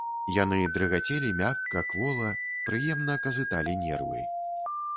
Яны дрыгацелі мякка, квола, прыемна казыталі нервы.